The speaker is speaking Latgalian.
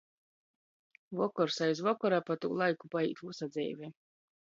Vokors aiz vokora, a pa tū laiku paīt vysa dzeive.